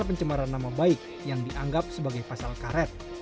pencemaran nama baik yang dianggap sebagai pasal karet